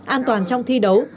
an toàn trong thi đấu